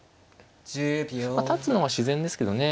まあ立つのが自然ですけどね。